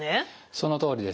そのとおりですね。